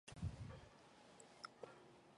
此版本为注博派的狂派间谍。